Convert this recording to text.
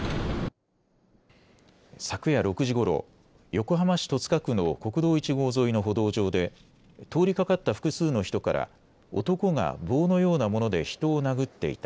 昨夜６時ごろ横浜市戸塚区の国道１号沿いの歩道上で通りかかった複数の人から男が棒のようなもので人を殴っていた。